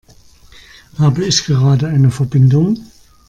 Habe ich gerade eine Verbindung?